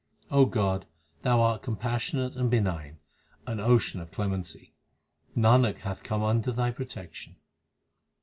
O God, Thou art compassionate and benign, an ocean of clemency ; Nanak hath come under Thy protection.